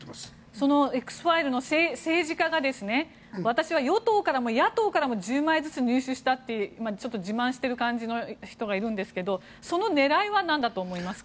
そのＸファイルの政治家が私は与党からも野党からも１０枚ずつ入手したと自慢している感じの人がいるんですけどその狙いは何だと思いますか？